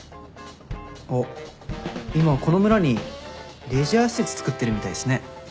あっ今この村にレジャー施設造ってるみたいっすね。